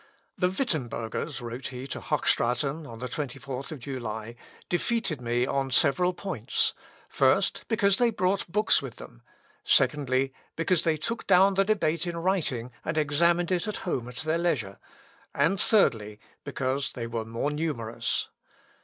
"The Wittembergers," wrote he to Hochstraten on the 24th July, "defeated me on several points first, because they brought books with them secondly, because they took down the debate in writing, and examined it at home at their leisure and thirdly, because they were more numerous.